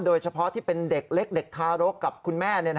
โดยเฉพาะที่เป็นเด็กเล็กเด็กทารกกับคุณแม่